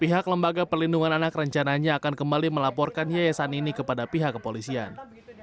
pihak lembaga perlindungan anak rencananya akan kembali melaporkan yayasan ini kepada pihak kepolisian